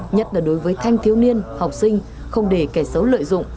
nhất là đối với thanh thiếu niên học sinh không để kẻ xấu lợi dụng